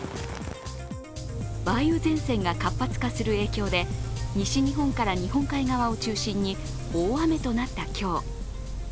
梅雨前線が活発化する影響で西日本から日本海側を中心に大雨となった今日。